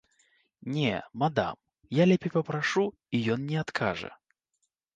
Не, мадам, я лепей папрашу, і ён не адкажа.